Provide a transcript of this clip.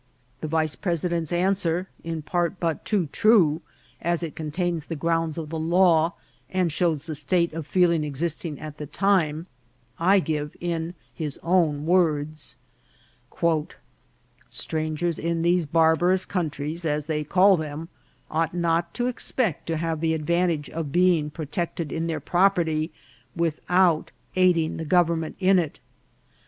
The vice president's answer (in part but too true), as it contains the grounds of the law, and shows the state of feeling existing at the time, I give in his own words :" Strangers in these barbarous countries, as they call them, ought not to expect to have the advantage of be ing protected in their property without aiding the gov ernment in it.